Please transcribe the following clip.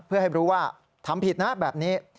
เพื่อให้รู้ว่าทำผิดนะแบบนี้